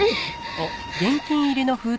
あっ。